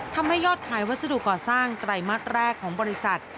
ทำให้ยอดขายวัสดุก่อสร้างไตรมาสแรกของบริษัท